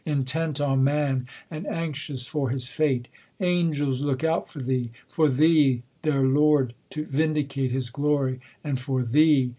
Intent on man, and anxious for his fate : Angels look out for thee ; for thee, their Lord, To vindicate his glory ; and for thee.